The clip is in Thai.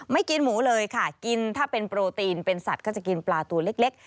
กินหมูเลยค่ะกินถ้าเป็นโปรตีนเป็นสัตว์ก็จะกินปลาตัวเล็ก